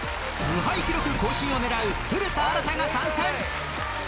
無敗記録更新を狙う古田新太が参戦！